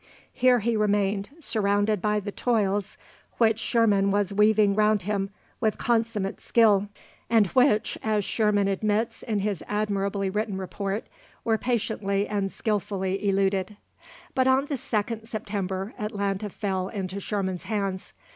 Here he remained, surrounded by the toils which Sherman was weaving round him with consummate skill, and which, as Sherman admits in his admirably written report, were patiently and skilfully eluded. But on the 2nd September, Atlanta fell into Sherman's hands.